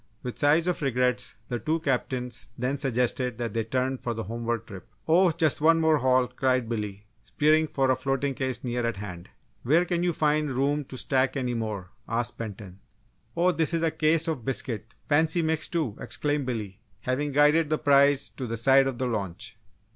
With sighs of regrets, the two captains then suggested that they turn for the homeward trip, "Oh, just one more haul!" cried Billy, spearing for a floating case near at hand. "Where can you find room to stack any more?" asked Benton. "Oh, this is a case of biscuits fancy mixed, too!" exclaimed Billy, having guided the prize to the side of the launch.